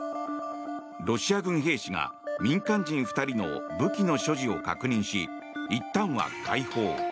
ロシア軍兵士が民間人２人の武器の所持を確認しいったんは解放。